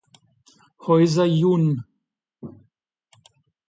Heuser jun.